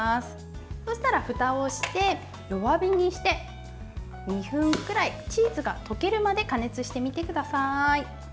そしたらふたをして弱火にして２分くらいチーズが溶けるまで加熱してみてください。